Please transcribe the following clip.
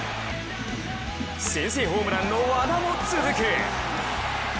先制ホームランの和田も続く。